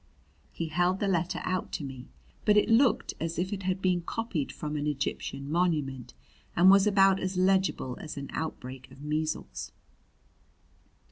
'" He held the letter out to me; but it looked as if it had been copied from an Egyptian monument and was about as legible as an outbreak of measles.